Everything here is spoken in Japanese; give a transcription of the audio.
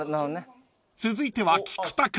［続いては菊田君］